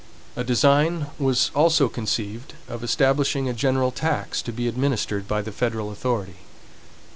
A design was also conceived of establishing a general tax to be administered by the federal authority.